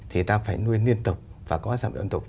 thì ta phải nuôi liên tục và có sản phẩm liên tục